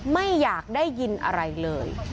ไม่อยากได้ยินอะไรเลย